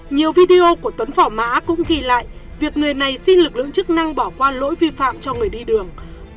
nhiều video của tuấn phỏ mã cũng ghi lại việc người này xin lực lượng chức năng bỏ qua lỗi vi phạm cho người đi đường